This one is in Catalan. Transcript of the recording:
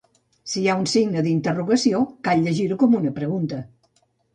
Si hi ha un signe d'interrogació cal llegir-ho com una pregunta